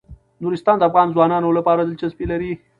نورستان د افغان ځوانانو لپاره دلچسپي لري.